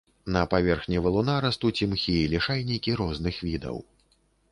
На паверхні валуна растуць імхі і лішайнікі розных відаў.